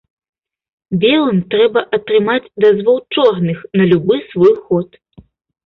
Белым трэба атрымаць дазвол чорных на любы свой ход.